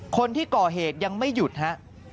คนที่ก่อเหตุยังไม่หยุดฮะ